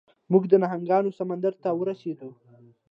موږ د نهنګانو سمندر ته ورسیدو.